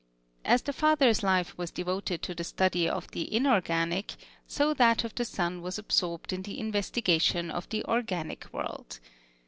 As the father's life was devoted to the study of the inorganic, so that of the son was absorbed in the investigation of the organic world.